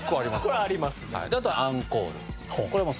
これありますね。